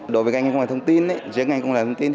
đối với ngành công nghệ thông tin